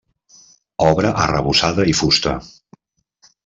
Obra arrebossada i fusta.